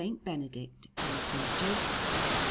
Benedict and S. Joseph.